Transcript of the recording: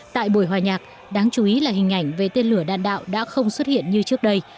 tại buổi hòa nhạc đáng chú ý là hình ảnh về tên lửa đạn đạo đã không xuất hiện như trước đây